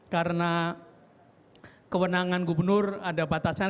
karena kewenangan gubernur ada batasan